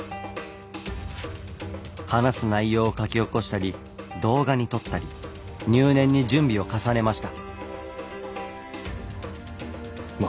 話す内容を書き起こしたり動画に撮ったり入念に準備を重ねました。